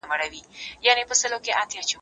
که ستاینه وي نو کار نه پریښودل کیږي.